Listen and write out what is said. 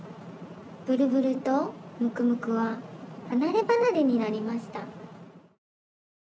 ブルブルとムクムクははなればなれになりました」。